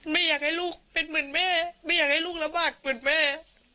ไม่อยากให้ลูกเป็นเหมือนแม่ไม่อยากให้ลูกลำบากเหมือนแม่